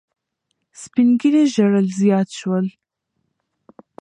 سپین ږیري ژړل زیات شول.